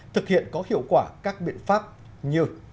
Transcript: thực hiện có hiệu quả các biện pháp như